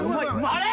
あれ？